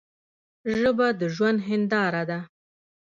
ژبه د ژوند هنداره ده.